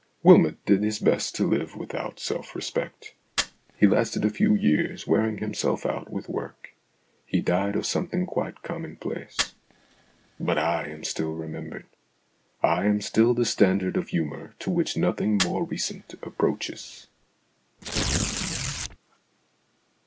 Wylmot did his best to live without self respect. He lasted a few years wearing himself out with work. He died of something quite commonplace. But I am still remembered. I am still the standard of humour to which nothing more recent approaches.